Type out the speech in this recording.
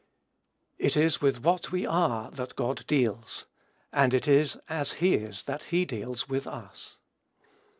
It is with what we are that God deals; and it is as he is that he deals with us.